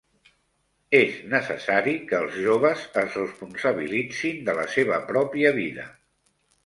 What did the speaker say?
És necessari que els joves es responsabilitzin de la seva pròpia vida.